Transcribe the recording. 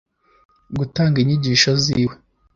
gutanga inyigisho ziwe